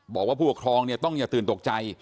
บอกว่าผู้ออกคลองต้องอย่าตื่นตกใจ